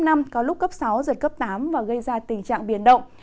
gió cấp sáu giật cấp tám và gây ra tình trạng biển động